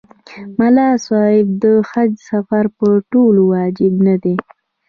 ملا صاحب د حج سفر په ټولو واجب نه دی.